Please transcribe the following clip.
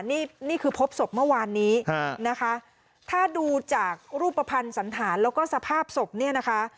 นี่นี่คือพบศพเมื่อวานนี้นะคะถ้าดูจากรูปภัณฑ์สันธารแล้วก็สภาพศพเนี่ยนะคะ